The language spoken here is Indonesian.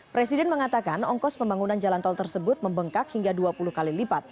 presiden mengatakan ongkos pembangunan jalan tol tersebut membengkak hingga dua puluh kali lipat